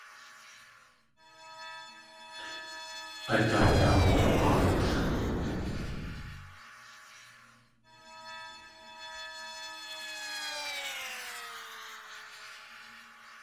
A daat aawa.aat.